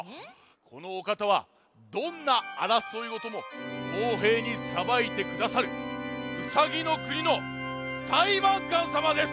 このおかたはどんなあらそいごともこうへいにさばいてくださるウサギのくにのさいばんかんさまです！